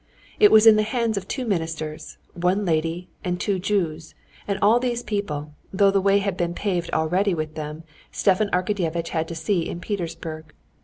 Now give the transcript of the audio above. It was in the hands of two ministers, one lady, and two Jews, and all these people, though the way had been paved already with them, Stepan Arkadyevitch had to see in Petersburg.